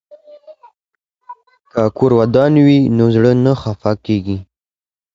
که کور ودان وي نو زړه نه خفه کیږي.